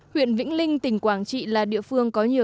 huyện vĩnh linh tỉnh quảng trị là địa phương có nhiều